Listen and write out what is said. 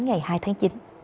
ngày hai tháng chín